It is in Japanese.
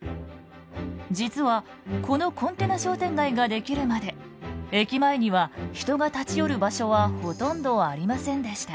実はこのコンテナ商店街が出来るまで駅前には人が立ち寄る場所はほとんどありませんでした。